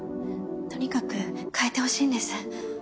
とにかく替えてほしいんです。